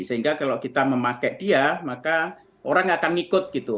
sehingga kalau kita memakai dia maka orang akan ikut gitu